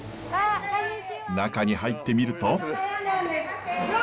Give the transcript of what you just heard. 中に入ってみると。